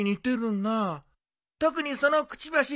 特にそのくちばし